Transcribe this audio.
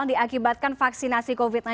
diakibatkan vaksinasi covid sembilan belas